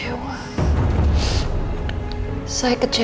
ini udah sampai kehabisan the club